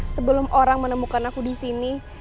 sebelum orang menemukan aku disini